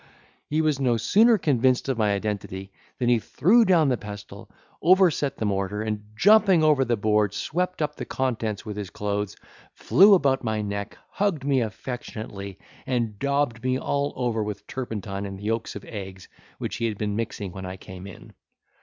He was no sooner convinced of my identity, than he threw down the pestle, overset the mortar, and jumping over the board, swept up the contents with his clothes, flew about my neck, hugged me affectionately, and daubed me all over with turpentine and the yolks of eggs which he had been mixing when I came in.